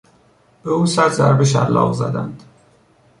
به او صد ضربه شلاق زدند.